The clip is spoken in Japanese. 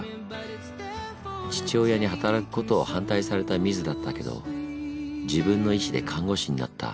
父親に働くことを反対されたミズだったけど自分の意志で看護師になった。